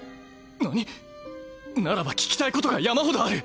何⁉ならば聞きたいことが山ほどある！